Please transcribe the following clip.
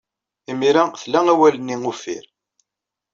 Imir-a, tla awal-nni uffir.